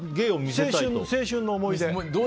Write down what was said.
青春の思い出です。